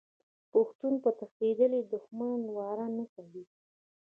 پښتون په تښتیدلي دښمن وار نه کوي.